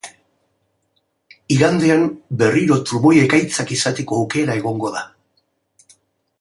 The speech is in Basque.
Igandean berriro trumoi-ekaitzak izateko aukera egongo da.